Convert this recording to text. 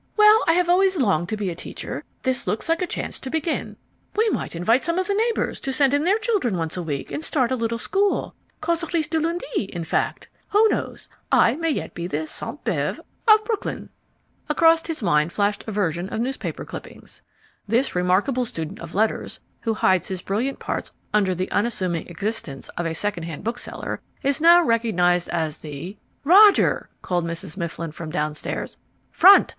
Well, I have always longed to be a teacher, this looks like a chance to begin. We might invite some of the neighbours to send in their children once a week, and start a little school. Causeries du lundi, in fact! Who knows I may yet be the Sainte Beuve of Brooklyn." Across his mind flashed a vision of newspaper clippings "This remarkable student of letters, who hides his brilliant parts under the unassuming existence of a second hand bookseller, is now recognized as the " "Roger!" called Mrs. Mifflin from downstairs: "Front!